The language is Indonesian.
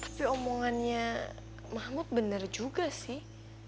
tapi omongannya mahmud benar juga sih